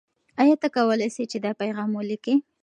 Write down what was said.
آیا ته کولای سې چې دا پیغام ولیکې؟